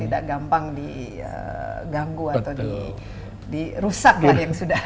dan tidak gampang diganggu atau dirusaklah yang sudah